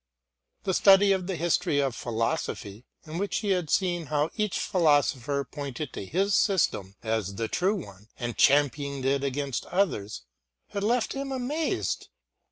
The study of the history of philosophy, in which he had seen how each philosopher pointed to his system as the true one, and championed it against others, had left him amazed.